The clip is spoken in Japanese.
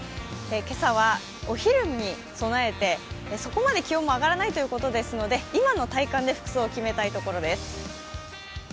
今朝はお昼に備えて、そこまで気温も上がらないということですので今の体感で服装を決めたいところです。